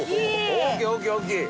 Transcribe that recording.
大きい大きい大きい！